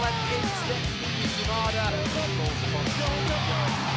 นั่นคือสิ่งที่เราต้องคิดว่ามันจะเป็นอะไรหรือเปล่า